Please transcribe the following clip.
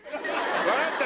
分かった？